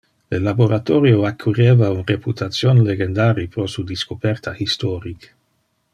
Le laboratorio acquireva un reputation legendari pro su discoperta historic.